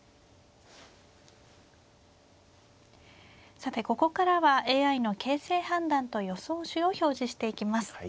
さてここからはＡＩの形勢判断と予想手を表示していきます。